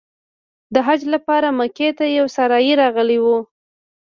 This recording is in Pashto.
د حج لپاره مکې ته یو سارایي راغلی و.